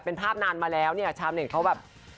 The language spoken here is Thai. เป็นภาพนานมาแล้วเนี่ยชาวเน็ตเขาแบบ